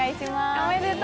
おめでとう！